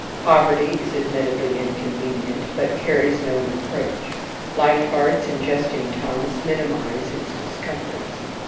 Poverty is admittedly inconvenient, but carries no reproach. Light hearts and jesting tongues minimize its discomforts.